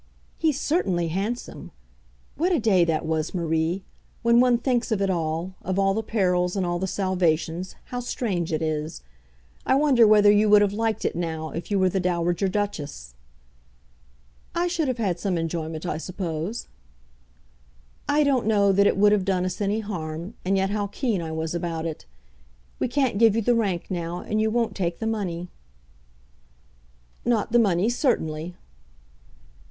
"He's certainly handsome. What a day that was, Marie! When one thinks of it all, of all the perils and all the salvations, how strange it is! I wonder whether you would have liked it now if you were the Dowager Duchess." "I should have had some enjoyment, I suppose." [Illustration: "I should have had some enjoyment, I suppose."] "I don't know that it would have done us any harm, and yet how keen I was about it. We can't give you the rank now, and you won't take the money." "Not the money, certainly."